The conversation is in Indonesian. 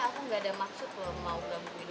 aku gak ada maksud loh mau gangguin kamu atau gimana